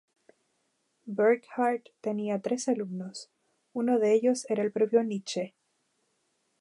Burckhardt tenía tres alumnos, uno de ellos era el propio Nietzsche.